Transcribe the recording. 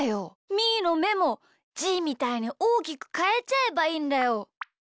みーのめもじーみたいにおおきくかえちゃえばいいんだよ。